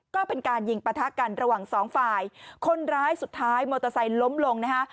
ก็เป็นการยิงปะทะกันระหว่างสองฝ่ายคนร้ายสุดท้ายมอเตอร์ไซค์ล้มลงนะฮะ